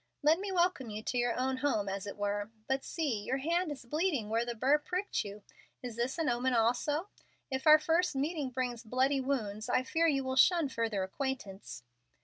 Let me welcome you to your own home, as it were. But see, your hand is bleeding, where the burr pricked you. Is this an omen, also? If our first meeting brings bloody wounds, I fear you will shun further acquaintance."